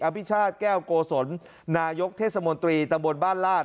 เอกอภิชาตแก้วโกศลนายกเทศมนตรีตมบลบ้านลาศ